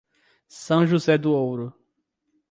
São José do Ouro